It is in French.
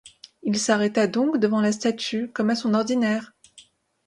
Il s'arrêta donc devant la statue comme à son ordinaire.